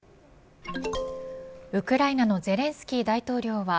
ＪＴウクライナのゼレンスキー大統領は